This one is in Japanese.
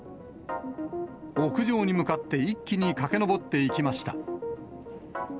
屋上に向かって一気に駆け上っていきました。